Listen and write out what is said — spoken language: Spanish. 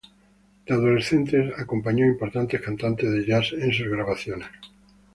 De adolescente acompañó a importantes cantantes de jazz en sus grabaciones.